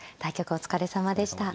お疲れさまでした。